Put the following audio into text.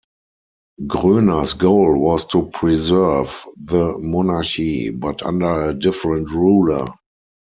Groener's goal was to preserve the monarchy, but under a different ruler.